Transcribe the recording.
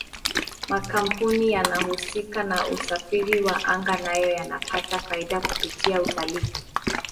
makampuni yanayohusika na usafiri wa anga nayo yanapata faida kupitia utalii